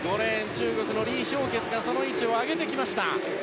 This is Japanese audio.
中国のリ・ヒョウケツがその位置を上げてきました。